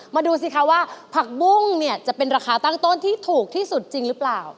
ดูสิคะว่าผักบุ้งเนี่ยจะเป็นราคาตั้งต้นที่ถูกที่สุดจริงหรือเปล่า